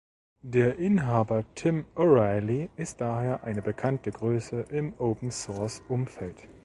Der Inhaber Tim O’Reilly ist daher eine bekannte Größe im Open-Source-Umfeld.